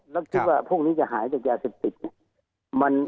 แล้วคิดว่าผมนี่จะหายจากยาศิษย์